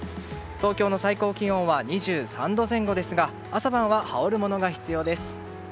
東京の最高気温は２３度前後ですが朝晩は羽織るものが必要です。